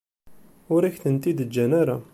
Ur ak-tent-id-ǧǧan ara.